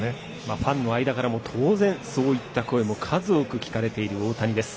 ファンの間からも当然そういった声も数多く聞かれている大谷です。